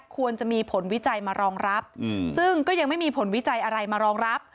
ควรจะมีผลวิจัยมารองรับซึ่งก็ยังไม่มีผลวิจัยอะไรมารองรับ